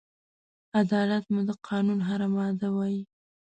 عدالت مو د قانون هره ماده وای